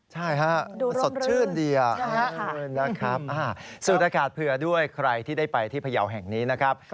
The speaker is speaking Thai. ใช่ฮะดูสดชื่นดีนะครับสูดอากาศเผื่อด้วยใครที่ได้ไปที่พยาวแห่งนี้นะครับ